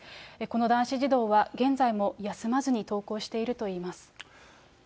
この男子児童は、現在も休まずに登校しているといいます。